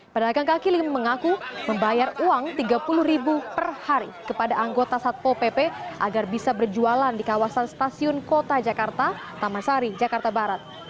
pedagang kaki lima mengaku membayar uang rp tiga puluh per hari kepada anggota satpo pp agar bisa berjualan di kawasan stasiun kota jakarta taman sari jakarta barat